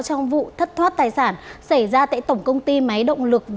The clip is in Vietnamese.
trong vụ thất thoát tài sản xảy ra tại tổng công ty máy động lực